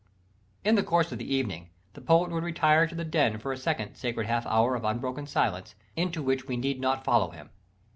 _ In the course of the evening, the poet would retire to the "den" for a second "sacred half hour" of unbroken silence, into which we need not follow him.